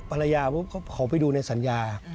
ภรรยาเขาไปดูในสัญญา